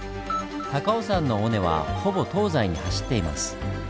高尾山の尾根はほぼ東西に走っています。